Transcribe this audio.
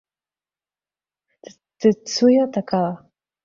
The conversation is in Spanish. Tetsuya Takada